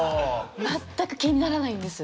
全く気にならないんです。